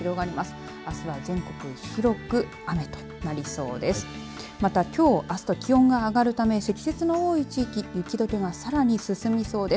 また、きょう、あすと気温が上がるため積雪の多い地域雪どけが、さらに進みそうです。